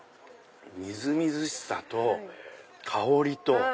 みずみずしさと香りと。